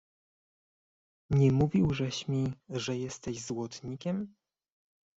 "Nie mówił żeś mi, że jesteś złotnikiem?"